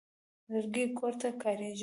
لرګي کور ته کارېږي.